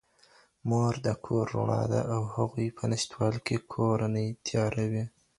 مور د کور رڼا ده او د هغې په نشتوالي کي کورنۍ تیاره وي